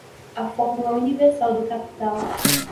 A fórmula universal do capital